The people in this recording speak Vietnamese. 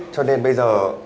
cho nên bây giờ